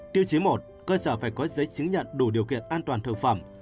tiêu chí một cơ sở phải có giấy chứng nhận đủ điều kiện an toàn thực phẩm